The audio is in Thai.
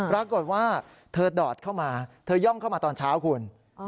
ปรากฏว่าเธอดอดเข้ามาเธอย่องเข้ามาตอนเช้าคุณ